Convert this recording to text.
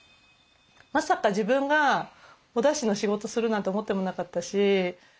まさか自分がおだしの仕事するなんて思ってもなかったし。